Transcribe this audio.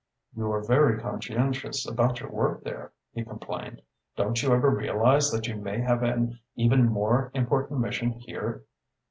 "You are very conscientious about your work there," he complained. "Don't you ever realise that you may have an even more important mission here?"